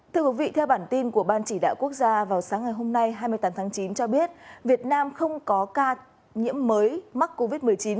thưa quý vị theo bản tin của ban chỉ đạo quốc gia vào sáng ngày hôm nay hai mươi tám tháng chín cho biết việt nam không có ca nhiễm mới mắc covid một mươi chín